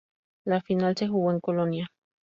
La final se jugó en Colonia.